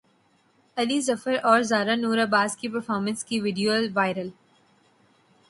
علی ظفر اور زارا نور عباس کی پرفارمنس کی ویڈیو وائرل